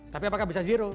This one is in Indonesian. tapi apakah bisa zero